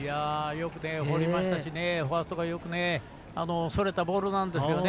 よく放りましたしファーストがよくそれたボールなんですけどね。